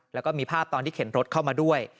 แล้วก็มีภาพตอนที่เข็นรถเข้ามาด้วย